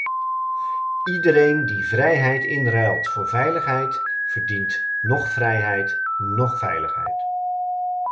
Iedereen die vrijheid inruilt voor veiligheid verdient noch vrijheid, noch veiligheid.